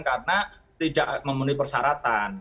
karena tidak memenuhi persyaratan